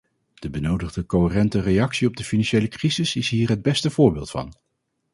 De benodigde coherente reactie op de financiële crisis is hier het beste voorbeeld van.